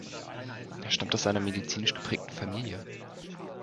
Er stammt aus einer medizinisch geprägten Familie.